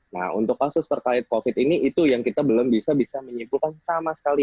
nah untuk kasus terkait covid ini itu yang kita belum bisa bisa menyimpulkan sama sekali